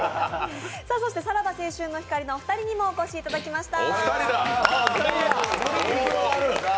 さらば青春の光のお二人にもお越しいただきました。